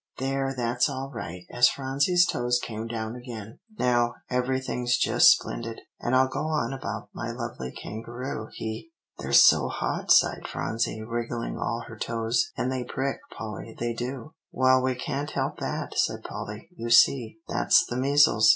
There, that's all right," as Phronsie's toes came down again; "now everything's just splendid, and I'll go on about my lovely kangaroo. He" "They're so hot," sighed Phronsie, wriggling all her toes; "and they prick, Polly they do" "Well, we can't help that," said Polly; "you see, that's the measles.